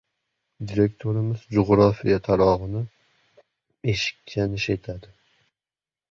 Direktorimiz jug‘rofiya tayog‘ini eshikka nish etadi.